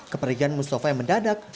kepergian mustafa yang mendadak